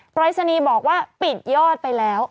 ปรายศนีย์บอกว่าปิดยอดไปแล้ว